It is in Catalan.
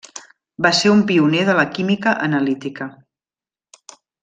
Va ser un pioner de la química analítica.